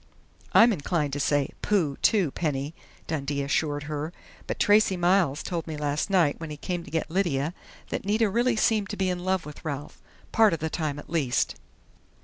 "I'm inclined to say 'Pooh!', too, Penny," Dundee assured her, "but Tracey Miles told me last night when he came to get Lydia that Nita really seemed to be in love with Ralph part of the time, at least."